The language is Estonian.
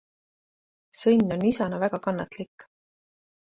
Sõnn on isana väga kannatlik.